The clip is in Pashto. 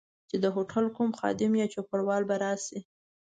چي د هوټل کوم خادم یا چوپړوال به راشي.